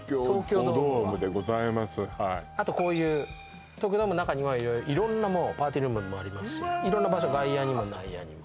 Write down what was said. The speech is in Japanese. あと、こういう東京ドームの中にはパーティールームもありますしいろんな場所、外野にも内野にも。